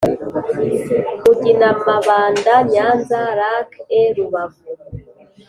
Mugina Mabanda Nyanza Lac et Rubavu